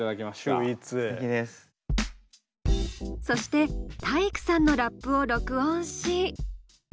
そして体育さんのラップを録音し。